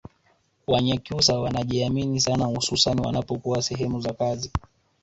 Wanyakyusa wanajiamini sana hususani wanapokuwa sehemu za kazi